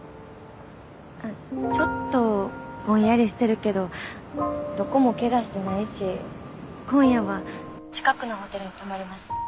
ちょっとぼんやりしてるけどどこもケガしてないし今夜は近くのホテルに泊まります